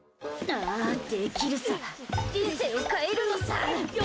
できるさ、人生を変えるのさ。